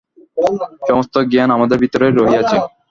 সমস্ত জ্ঞান আমাদের ভিতরেই রহিয়াছে।